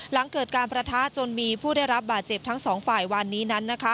หลังเกิดการประทะจนมีผู้ได้รับบาดเจ็บทั้งสองฝ่ายวันนี้นั้น